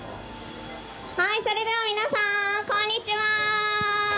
それでは皆さんこんにちは。